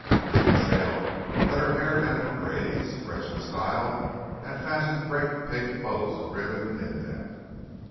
Miss De Sale let her hair down in braids, Gretchen style, and fastened great pink bows of ribbon in them.